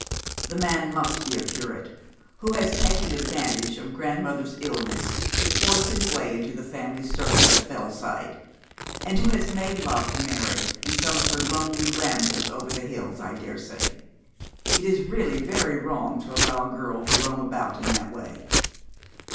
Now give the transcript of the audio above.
The man must be a curate, who has taken advantage of grandmother's illness to force his way into the family circle at Fellside and who has made love to Mary in some of her lonely rambles over the hills, I daresay. It is really very wrong to allow a girl to roam about in that way.'